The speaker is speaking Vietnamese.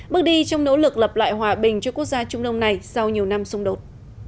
bước đi trong nỗ lực lập lại hòa bình cho quốc gia trung đông này sau nhiều năm xung đột